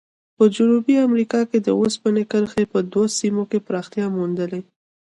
په جنوبي امریکا کې د اوسپنې کرښې په دوو سیمو کې پراختیا موندلې.